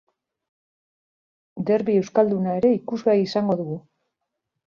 Derbi euskalduna ere ikusgai izango dugu.